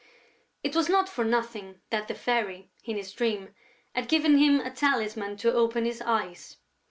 It was not for nothing that the Fairy, in his dream, had given him a talisman to open his eyes.